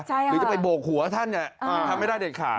หรือจะไปโบกหัวท่านทำไม่ได้เด็ดขาด